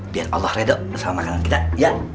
biar allah reda sama makanan kita ya